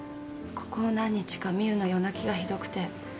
ここ何日か美雨の夜泣きがひどくて。